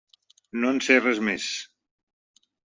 No en sé res més.